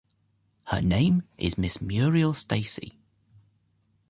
Her name is Miss Muriel Stacy.